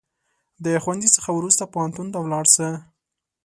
د ښوونځي څخه وروسته پوهنتون ته ولاړ سه